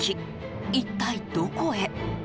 一体、どこへ？